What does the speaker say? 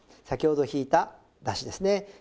先ほど引いただしですね。